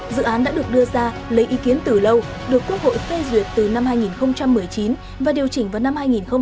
dự án đã được đưa ra lấy ý kiến từ lâu được quốc hội phê duyệt từ năm hai nghìn một mươi chín và điều chỉnh vào năm hai nghìn hai mươi